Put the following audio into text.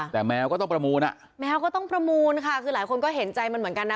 แต่แมวก็ต้องประมูลอ่ะแมวก็ต้องประมูลค่ะคือหลายคนก็เห็นใจมันเหมือนกันนะ